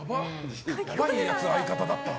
やばいやつ、相方だった。